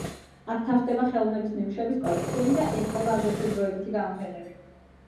აქ თავსდება ხელოვნების ნიმუშების კოლექციები და ეწყობა აგრეთვე დროებითი გამოფენები.